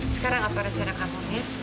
sekarang apa rencana kamu niel